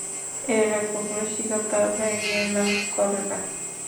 এরকম রসিকতা ব্যাঙেরাও করে না।